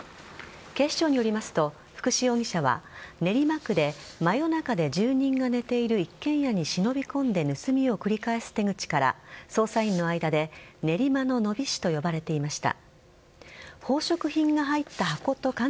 警視庁によりますと福士容疑者は練馬区で真夜中に住人が寝ている一軒家に忍び込んで盗みを繰り返す手口から捜査員の間で練馬のノビ師と呼ばれていました。